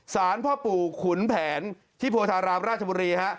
สารพ่อปู่ขุนแผนที่โพธารามราชบุรีฮะ